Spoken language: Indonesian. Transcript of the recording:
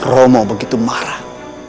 romo begitu marah